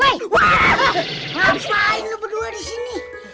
woi waaah ngapain lo berdua disini